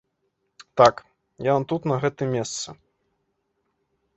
Так, яна тут на гэтым месцы.